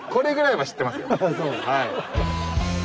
はい。